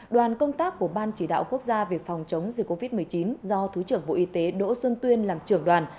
đoàn công tác của ban chỉ đạo quốc gia về phòng chống dịch covid một mươi chín do thứ trưởng bộ y tế đỗ xuân tuyên làm trưởng đoàn